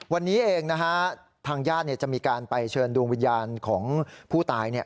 วันนี้เองนะฮะทางญาติจะมีการไปเชิญดวงวิญญาณของผู้ตาย